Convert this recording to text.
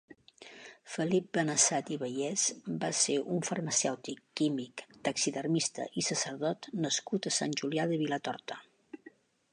Felip Benessat i Bayés va ser un farmacèutic, químic, taxidermista i sacerdot nascut a Sant Julià de Vilatorta.